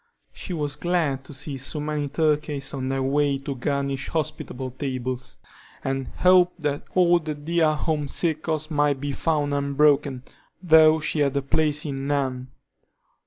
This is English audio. She was glad to see so many turkeys on their way to garnish hospitable tables, and hoped that all the dear home circles might be found unbroken, though she had place in none.